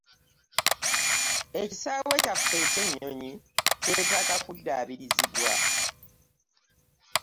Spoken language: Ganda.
Ekisaawe kyaffe eky'ennyonyi kyetaaga kuddaabirizibwa.